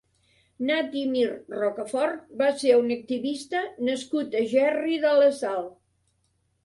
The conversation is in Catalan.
Nati Mir Rocafort va ser un activista nascut a Gerri de la Sal.